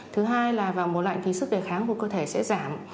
thứ hai là vào mùa lạnh thì sức đề kháng của cơ thể sẽ giảm